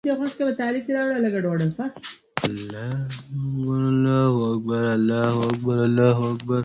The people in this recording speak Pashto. که موږ خپله ژبه وساتو، نو کلتوري اړیکې به ټینګې شي.